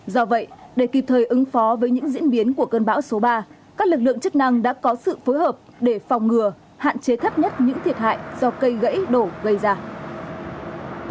do vậy để kịp thời ứng phó với những diễn biến của cơn bão số ba các lực lượng chức năng đã có sự phối hợp để phòng ngừa hạn chế thấp nhất những thiệt hại do cây gãy đổ gây ra